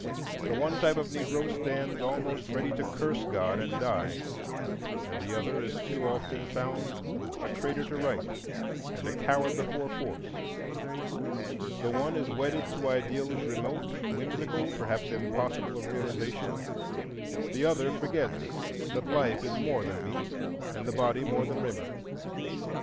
The one type of Negro stands almost ready to curse God and die, and the other is too often found a traitor to right and a coward before force; the one is wedded to ideals remote, whimsical, perhaps impossible of realization; the other forgets that life is more than meat and the body more than raiment.